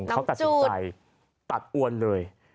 เขาตัดสินใจตัดอวนเลย